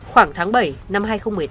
khoảng tháng bảy năm hai nghìn một mươi tám